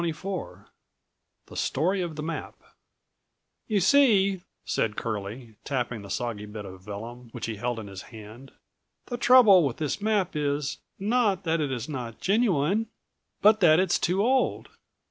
227 CHAPTER XXIVTHE STORY OF THE MAP "You see," said Curlie, tapping the soggy bit of vellum which he held in his hand, "the trouble with this map is, not that it is not genuine, but that it's too old.